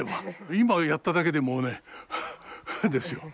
今やっただけでもうねハアハアですよ。